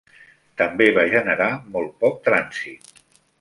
També va generar molt poc trànsit.